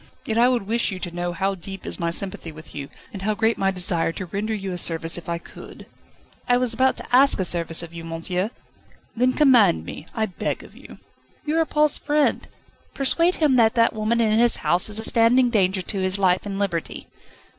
Yet I would wish you to know how deep is my sympathy with you, and how great my desire to render you a service if I could." "I was about to ask a service of you, monsieur." "Then command me, I beg of you." "You are Paul's friend persuade him that that woman in his house is a standing danger to his life and liberty."